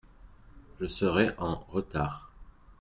Je serai an retard.